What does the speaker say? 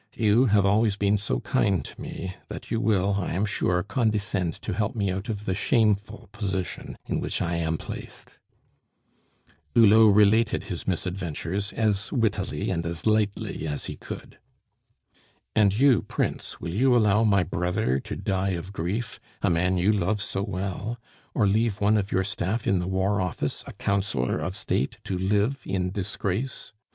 You have always been so kind to me, that you will, I am sure, condescend to help me out of the shameful position in which I am placed." Hulot related his misadventures, as wittily and as lightly as he could. "And you, Prince, will you allow my brother to die of grief, a man you love so well; or leave one of your staff in the War Office, a Councillor of State, to live in disgrace.